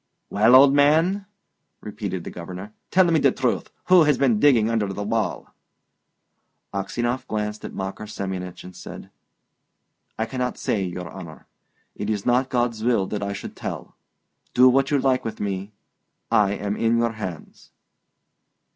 "Well, old man," repeated the Governor, "tell me the truth: who has been digging under the wall?" Aksionov glanced at Makar Semyonich, and said, "I cannot say, your honour. It is not God's will that I should tell! Do what you like with me; I am in your hands."